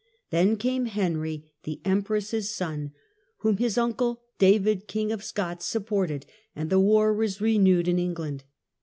Then came Henry, the empress's son, whom his uncle, David King of Scots, supported, and the war was renewed in England.